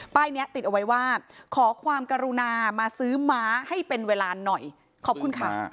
นี้ติดเอาไว้ว่าขอความกรุณามาซื้อม้าให้เป็นเวลาหน่อยขอบคุณค่ะ